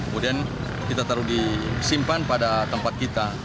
kemudian kita taruh disimpan pada tempat kita